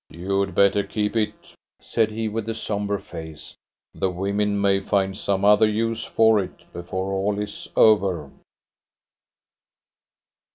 "You had better keep it," said he, with a sombre face. "The women may find some other use for it before all is over."